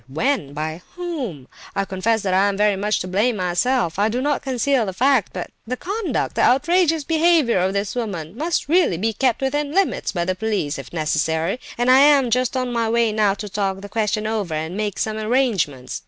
When? By whom? I confess that I am very much to blame myself; I do not conceal the fact; but the conduct, the outrageous behaviour of this woman, must really be kept within limits, by the police if necessary, and I am just on my way now to talk the question over and make some arrangements.